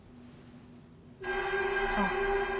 そう。